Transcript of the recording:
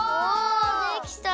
できた！